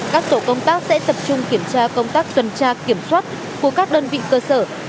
các tổ công tác sẽ tập trung kiểm tra công tác tuần tra kiểm soát của các đơn vị cơ sở